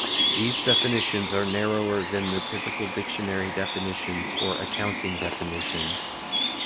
These definitions are narrower than the typical dictionary definitions or accounting definitions.